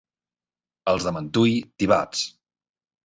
Els de Mentui, tibats.